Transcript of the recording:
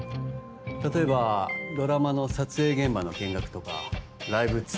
例えばドラマの撮影現場の見学とかライブツアーの